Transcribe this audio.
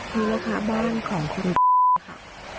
นี่ล่ะค่ะบ้านของคนค่ะ